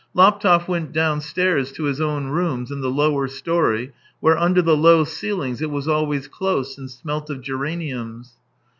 Laptev went downstairs to his own rooms in the lower storey, where under the low ceilings it was always close and smelt of geraniums.